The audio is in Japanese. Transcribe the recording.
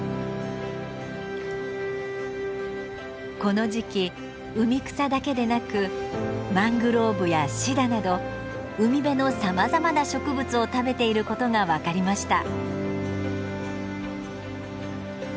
この時期海草だけでなくマングローブやシダなど海辺のさまざまな植物を食べていることが分かりました。